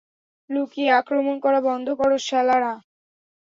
লুকিয়ে আক্রমণ করা বন্ধ কর, শালারা!